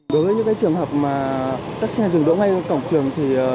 đối với những trường hợp các xe dừng đỗ ngay cổng trường thì